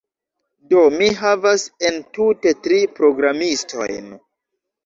Do, mi havas entute tri programistojn